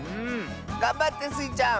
がんばってスイちゃん！